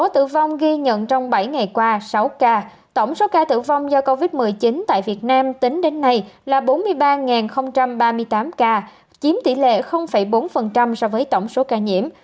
tổng số ca tử vong do covid một mươi chín tại việt nam tính đến nay là bốn mươi ba ba mươi tám ca chiếm tỷ lệ bốn so với tổng số ca nhiễm